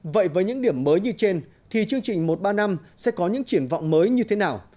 vậy với những điểm mới như trên thì chương trình một ba năm sẽ có những triển vọng mới như thế nào